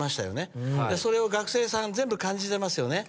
それを学生さんが全部感じてますよね。